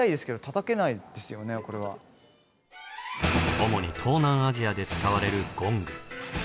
主に東南アジアで使われるゴング。